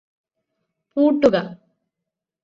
പൂട്ടുക